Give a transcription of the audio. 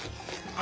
あ！